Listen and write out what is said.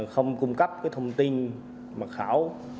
không cung cấp thông tin mật khảo